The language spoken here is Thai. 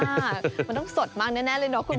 มันต้องสดมากแน่เลยเนาะคุณ